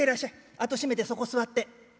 あと閉めてそこ座って。